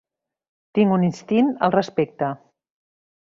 Tinc un instint al respecte.